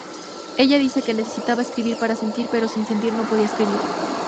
Ella dice que "necesitaba escribir para sentir, pero sin sentir no podía escribir".